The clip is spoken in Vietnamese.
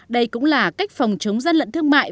đây cũng là cách phòng chống gian lận thương mại